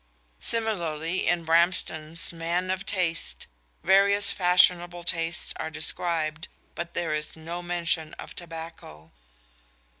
Similarly, in Bramston's "Man of Taste," various fashionable tastes are described, but there is no mention of tobacco.